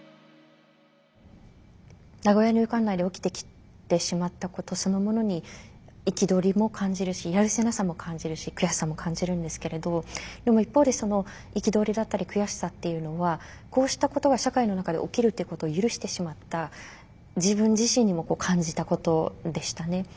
名古屋入管内で起きてきてしまったことそのものに憤りも感じるしやるせなさも感じるし悔しさも感じるんですけれどでも一方で憤りだったり悔しさっていうのはこうしたことが社会の中で起きるっていうことを許してしまった自分自身にも感じたことでしたね。